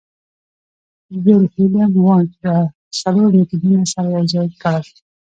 ویلهیلم وونت دا څلور مېتودونه سره یوځای کړل